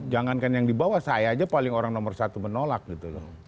jangankan yang di bawah saya aja paling orang nomor satu menolak gitu loh